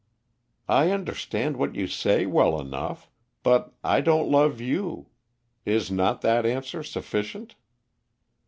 "I understand what you say well enough; but I don't love you. Is not that answer sufficient?"